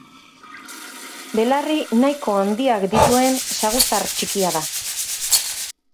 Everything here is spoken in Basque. Belarri nahiko handiak dituen saguzar txikia da.